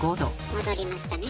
戻りましたね。